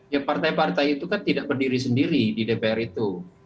ya partai partai itu kan tidak berdiri sendiri di dpr itu